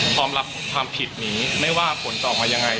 พร้อมรับความผิดนี้ไม่ว่าผลจะออกมายังไง